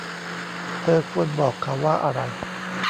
เธอควรบอกเขาว่าอะไร